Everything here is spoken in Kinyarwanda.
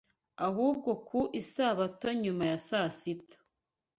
ahubwo ku Isabato nyuma ya saa sita